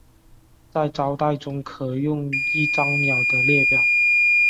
在招待中可用一张鸟的列表。